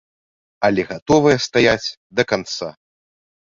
Але гатовыя стаяць да канца.